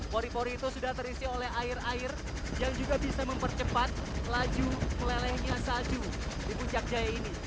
pori pori itu sudah terisi oleh air air yang juga bisa mempercepat laju melelehnya salju di puncak jaya ini